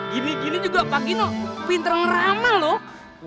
gini gini juga pak kino pinter ramah loh